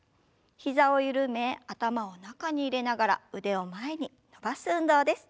膝を緩め頭を中に入れながら腕を前に伸ばす運動です。